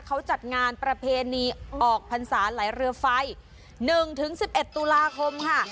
เขาจัดงานประเพณีออกพรรษาไหลเรือไฟ๑๑๑ตุลาคมค่ะ